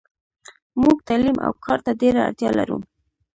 موږ تعلیم اوکارته ډیره اړتیالرو .